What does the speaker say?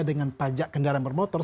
dengan pajak kendaraan bermotor